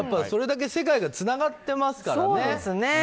それだけ世界がつながっていますからね。